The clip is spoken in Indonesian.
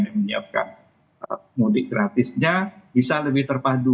yang menyiapkan mudik gratisnya bisa lebih terpadu